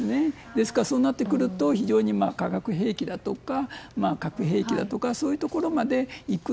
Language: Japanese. ですからそうなってくると非常に化学兵器だとか核兵器だとかそういうところまで行く。